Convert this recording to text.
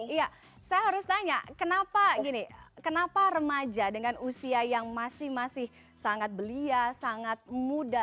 iya saya harus tanya kenapa gini kenapa remaja dengan usia yang masih masih sangat belia sangat muda